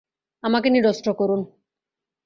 আমাকে নিরস্ত্র করুন।